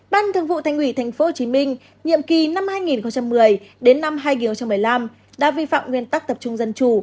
ban thường vụ thành ủy tp hcm nhiệm kỳ năm hai nghìn một mươi đến năm hai nghìn một mươi năm đã vi phạm nguyên tắc tập trung dân chủ